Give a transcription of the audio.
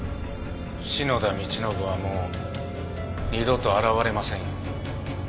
篠田道信はもう二度と現れませんよ。